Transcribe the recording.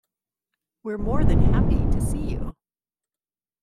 We're more than happy to see you.